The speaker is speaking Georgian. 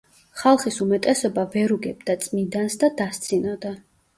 ხალხის უმეტესობა ვერ უგებდა წმიდანს და დასცინოდა.